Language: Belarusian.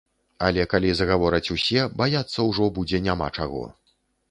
Але калі загавораць усе, баяцца ўжо будзе няма чаго.